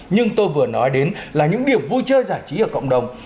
nhưng tôi vừa nói đến là những điểm vui chơi giải trí ở cộng đồng